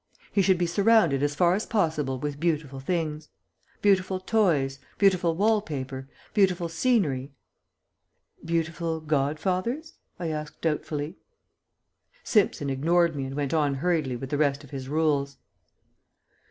He should be surrounded as far as possible with beautiful things.' Beautiful toys, beautiful wall paper, beautiful scenery " "Beautiful godfathers?" I asked doubtfully. Simpson ignored me and went on hurriedly with the rest of his rules.